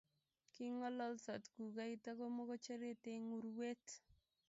Kingololsot kugait ago mogochoret eng urwet